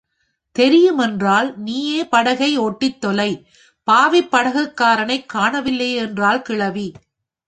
தெரியும் என்றால், நீயே படகை ஒட்டித் தொலை பாவிப் படகுக்காரனைக் காணவில்லையே என்றாள் கிழவி.